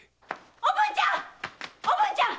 おぶんちゃん！